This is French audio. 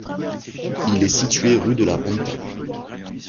Il est situé rue de la Ronta.